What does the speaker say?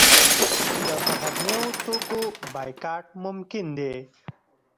د بهرنیو توکو بایکاټ ممکن دی؟